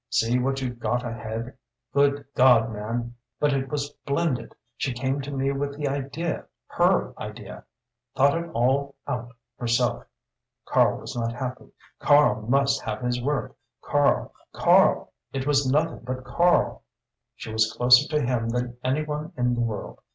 See what you've got ahead? God, man but it was splendid! She came to me with the idea her idea thought it all out herself. Karl was not happy Karl must have his work. Karl Karl it was nothing but Karl. She was closer to him than any one in the world.